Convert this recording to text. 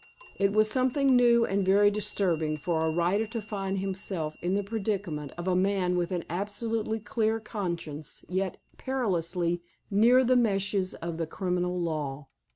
It was something new and very disturbing for a writer to find himself in the predicament of a man with an absolutely clear conscience yet perilously near the meshes of the criminal law.